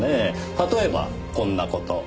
例えばこんな事。